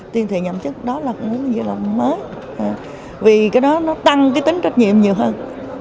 tuyên thệ nhậm chức đó là một việc làm mới vì cái đó nó tăng cái tính trách nhiệm nhiều hơn